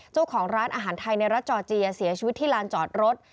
เจ้าของร้านอาหารไทยในรัฐจอร์เจียเสียชีวิตที่ลานจอดรถ